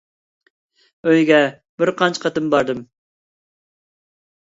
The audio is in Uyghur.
ئۆيىگە بىر قانچە قېتىم باردىم.